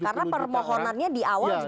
karena permohonannya di awal juga gitu